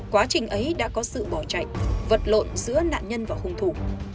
quá trình ấy đã có sự bỏ chạy vật lộn giữa nạn nhân và hung thủ